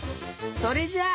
それじゃあ。